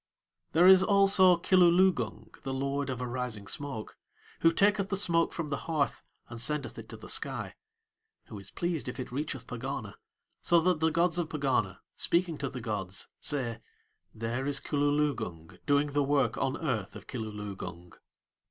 There is also Kilooloogung, the lord of arising smoke, who taketh the smoke from the hearth and sendeth it to the sky, who is pleased if it reacheth Pegana, so that the gods of Pegana, speaking to the gods, say: "There is Kilooloogung doing the work on earth of Kilooloogung."